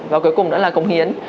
và cuối cùng đó là cống hiến